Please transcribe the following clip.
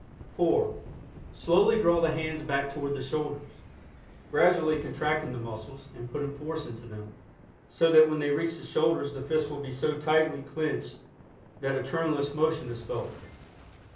(4) Slowly draw the hands back toward the shoulders, gradually contracting the muscles and putting force into them, so that when they reach the shoulders the fists will be so tightly clenched that a tremulous motion is felt.